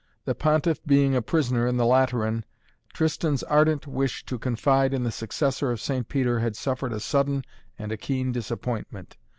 The Pontiff being a prisoner in the Lateran, Tristan's ardent wish to confide in the successor of St. Peter had suffered a sudden and a keen disappointment.